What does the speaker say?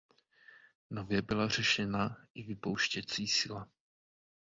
Nově byla řešena i vypouštěcí sila.